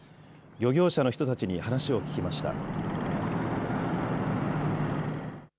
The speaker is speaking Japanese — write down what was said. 漁業者の人たちに話を聞きました。